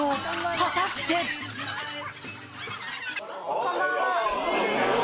果たしてこんばんは。